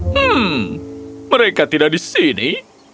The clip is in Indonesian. hmm mereka tidak di sini